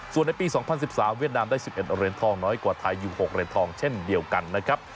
ส่วนในปีสองพันสิบสามเวียดนามได้สิบเอ็ดเรียนทองน้อยกว่าไทยอยู่หกเรียนทองเช่นเดียวกันนะครับ